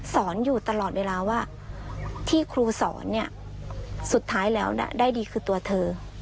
สอนอยู่ตลอดเวลาว่าที่ครูสอนเนี่ยสุดท้ายแล้วได้ดีคือตัวเธอ